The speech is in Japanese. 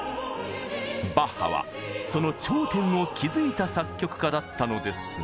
バッハはその頂点を築いた作曲家だったのですが。